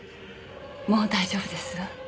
もう大丈夫ですわ。